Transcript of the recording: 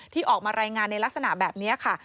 ที่ออกมารายงานในลักษณะแบบนี้ค่ะ